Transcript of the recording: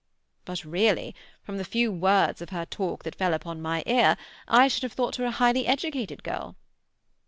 "But really—from the few words of her talk that fell upon my ear I should have thought her a highly educated girl."